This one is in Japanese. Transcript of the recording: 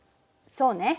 そうね。